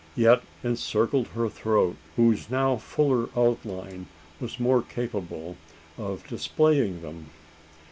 yet encircled her throat, whose now fuller outline was more capable of displaying them.